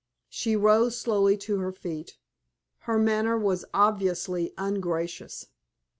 She rose slowly to her feet; her manner was obviously ungracious.